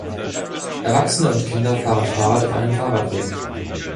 Erwachsene und Kinder fahren Fahrrad auf einem Fahrradweg.